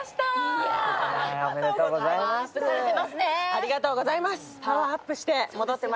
ありがとうございます。